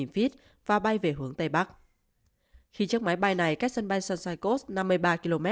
feet và bay về hướng tây bắc khi chiếc máy bay này cách sân bay sunside coast năm mươi ba km